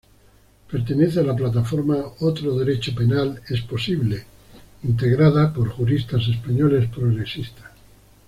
Pertenece a la plataforma "Otro Derecho Penal es Posible", integrada por juristas españoles progresistas.